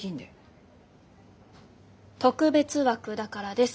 特別枠だからです。